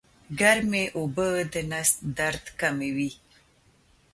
ګرمې اوبه د نس درد کموي